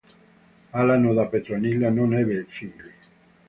Alano da Petronilla non ebbe figli.